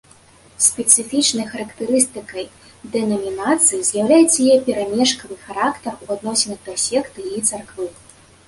Спецыфічнай характарыстыкай дэнамінацыі з'яўляецца яе прамежкавы характар у адносінах да секты і царквы.